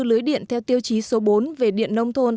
lưới điện theo tiêu chí số bốn về điện nông thôn